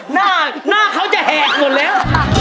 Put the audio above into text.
หน้าเดี๋ยวหน้าเขาจะแหกหมดแล้ว